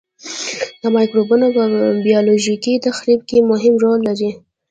دا مکروبونه په بیولوژیکي تخریب کې مهم رول لري.